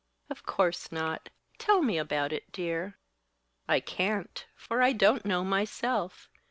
"Of course not. Tell me about it, dear." "I can't; for I don't know, myself."